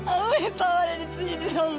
aku bisa gak ada disini dong